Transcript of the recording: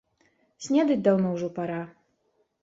Снедаць даўно ўжо пара.